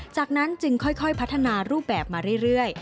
จากนั้นจึงค่อยพัฒนารูปแบบมาเรื่อย